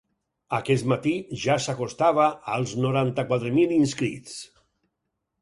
Aquest matí ja s’acostava als noranta-quatre mil inscrits.